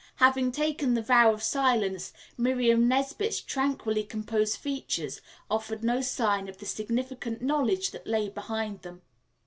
Having taken the vow of silence, Miriam Nesbit's tranquilly composed features offered no sign of the significant knowledge that lay behind them.